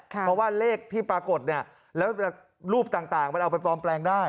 เพราะว่าเลขที่ปรากฏเนี่ยแล้วรูปต่างมันเอาไปปลอมแปลงได้